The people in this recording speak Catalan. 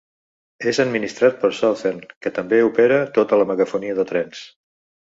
És administrat per Southern, que també opera tota la megafonia de trens.